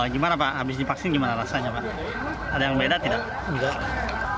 gimana pak habis ini vaksin gimana alasannya ada yang beda atau tidak